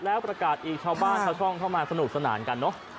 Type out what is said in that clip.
แล้วประกาศอีกชาวบ้านชาวช่องเข้ามาสนุกสนานกันเนอะ